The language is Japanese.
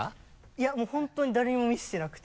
いやもう本当に誰にも見せてなくて。